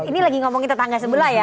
ini lagi ngomongin tetangga sebelah ya